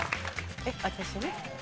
私ね。